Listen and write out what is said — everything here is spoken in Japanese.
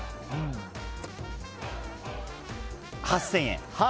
８０００円。